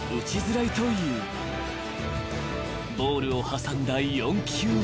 ［ボールを挟んだ４球目］